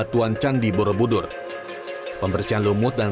untuk relief candi disemprot dengan tekanan sedang